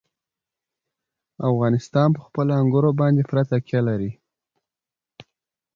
افغانستان په خپلو انګورو باندې پوره تکیه لري.